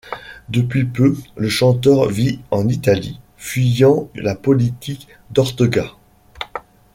Depuis peu, le chanteur vit en Italie, fuyant la politique d'Ortega.